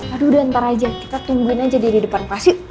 aduh udah ntar aja kita tungguin aja dia di depan pasir